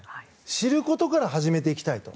知ることから始めていきたいと。